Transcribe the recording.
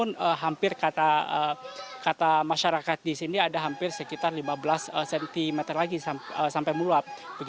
namun hampir kata masyarakat di sini ada hampir sekitar lima belas cm lagi sampai meluap